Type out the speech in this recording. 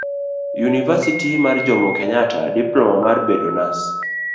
univasiti mar jomo kenyatta ,diploma mar bedo nas